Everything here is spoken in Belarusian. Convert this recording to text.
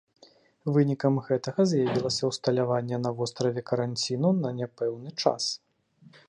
Вынікам гэтага з'явілася ўсталяванне на востраве каранціну на няпэўны час.